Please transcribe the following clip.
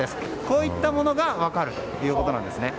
こういったものが分かるということなんですね。